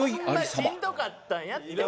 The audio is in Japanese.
「しんどかったんやって」